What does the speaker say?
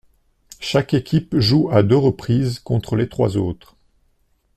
Chaque équipe joue à deux reprises contre les trois autres.